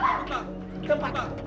jangan ada yang bergerak